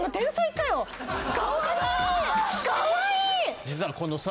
かわいいー！